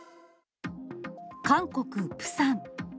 韓国・プサン。